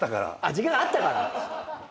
時間があったから？